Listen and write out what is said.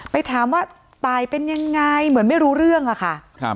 ไปถามว่าตายเป็นยังไงเหมือนไม่รู้เรื่องอะค่ะ